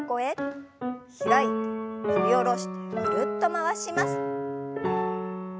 開いて振り下ろしてぐるっと回します。